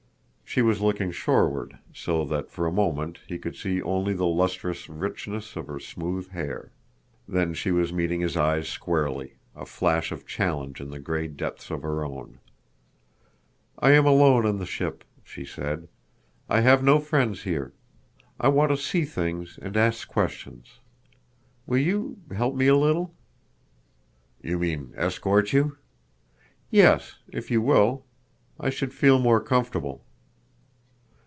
She was looking shoreward, so that for a moment he could see only the lustrous richness of her smooth hair. Then she was meeting his eyes squarely, a flash of challenge in the gray depths of her own. "I am alone on the ship," she said. "I have no friends here. I want to see things and ask questions. Will you ... help me a little?" "You mean ... escort you?" "Yes, if you will. I should feel more comfortable."